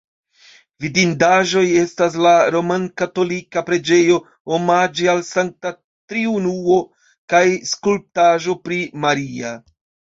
Vidindaĵoj estas la romkatolika preĝejo omaĝe al Sankta Triunuo kaj skulptaĵo pri Maria.